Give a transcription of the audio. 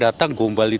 apa itu gombal